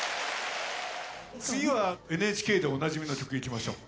次はＮＨＫでおなじみの曲いきましょう。